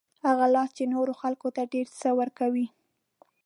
هغه لاس چې نورو خلکو ته ډېر څه ورکوي.